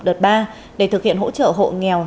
đợt ba để thực hiện hỗ trợ hộ nghèo